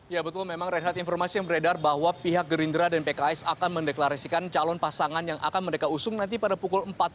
ya betul memang reinhardt informasi yang beredar bahwa pihak gerindra dan pks akan mendeklarasikan calon pasangan yang akan mereka usung nanti pada pukul empat tiga puluh